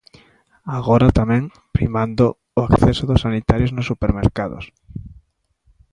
Agora tamén primando o acceso dos sanitarios nos supermercados.